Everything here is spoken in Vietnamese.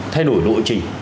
thay đổi độ trình